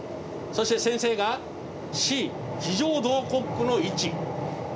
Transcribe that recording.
そして先生が「Ｃ」非常ドアコックの位置。